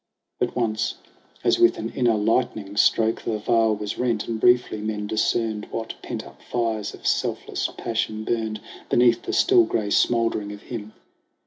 But once, as with an inner lightning stroke, The veil was rent, and briefly men discerned What pent up fires of selfless passion burned Beneath the still gray smoldering of him.